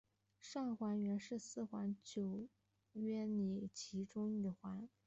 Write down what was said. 上环原是四环九约里其中一环。